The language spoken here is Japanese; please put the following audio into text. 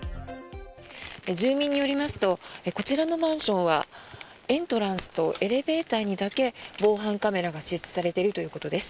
住民によりますとこちらのマンションはエントランスとエレベーターにだけ防犯カメラが設置されているということです。